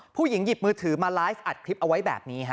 หยิบมือถือมาไลฟ์อัดคลิปเอาไว้แบบนี้ฮะ